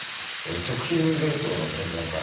食品冷凍の専門家